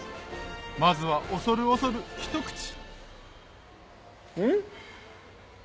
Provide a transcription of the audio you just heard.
まずは恐る恐るひと口ん？